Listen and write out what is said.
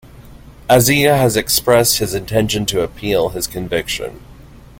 Aziga has expressed his intention to appeal his conviction.